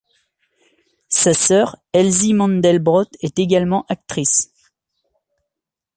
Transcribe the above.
Sa sœur, Elsy Mandelbrot, est également actrice.